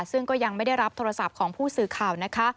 ซึ่งก็ยังไม่ได้รับโทรศัพท์ของผู้สื่อข่าวนะคะ